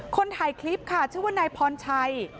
คนถ่ายคลิปค่ะชื่อว่านายพรชัย